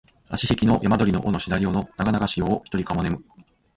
あしひきの山鳥の尾のしだり尾のながながし夜をひとりかも寝む